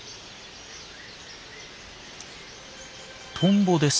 トンボです。